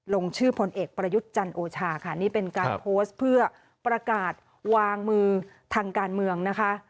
ลงชื่อพลเอกประยุทธ์จันโอชาค่ะนี่เป็นการโพสต์เพื่อประกาศวางมือทางการเมืองนะคะ